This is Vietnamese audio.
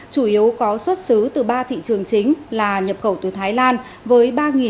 chủ yếu có xuất xứ từ ba thị trường chính là nhập khẩu từ thái lan với ba một trăm bảy mươi bốn chiếc